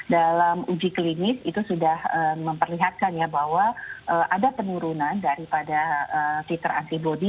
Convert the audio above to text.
dalam uji klinis itu sudah memperlihatkan ya bahwa ada penurunan daripada fitur antibody